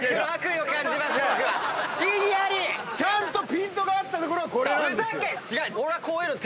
ちゃんとピントが合ったところはこれなんです。